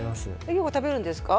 よく食べるんですか？